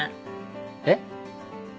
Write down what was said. えっ？